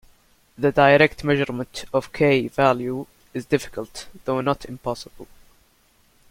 The direct measurement of "k" value is difficult though not impossible.